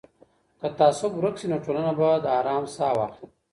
که تعصب ورک سي نو ټولنه به د ارام ساه واخلي.